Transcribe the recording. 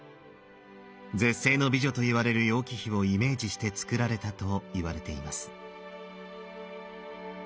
絶世の美女と言われる楊貴妃をイメージして造られたといわれています。